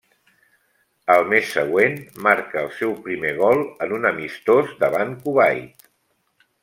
Al mes següent, marca el seu primer gol, en un amistós davant Kuwait.